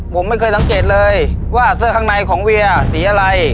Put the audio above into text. ผมไม่เคยสังเกตเลยว่าเสื้อข้างในของเวียสีอะไร